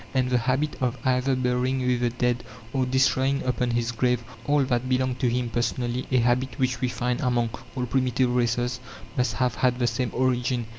And the habit of either burying with the dead, or destroying upon his grave, all that belonged to him personally a habit which we find among all primitive races must have had the same origin.